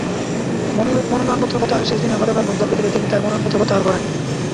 মনোনয়নপত্র প্রত্যাহারের শেষ দিনে গতকাল বুধবার বিকেলে তিনি তাঁর মনোনয়নপত্র প্রত্যাহার করেন।